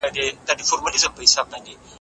خپلواکي ورکول د لارښود ډېر ښه صفت دی.